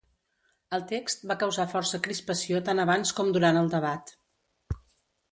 El text va causar força crispació tant abans com durant el debat.